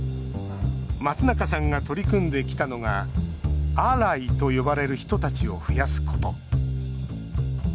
松中さんが取り組んできたのが「アライ」と呼ばれる人たちを増やすこと。